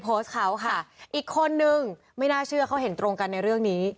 โพสต์เขาค่ะอีกคนนึงไม่น่าเชื่อเขาเห็นตรงกันในเรื่องนี้